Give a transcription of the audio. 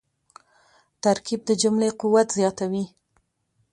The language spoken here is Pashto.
ترکیب د جملې قوت زیاتوي.